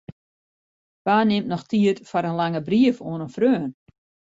Wa nimt noch tiid foar in lange brief oan in freon?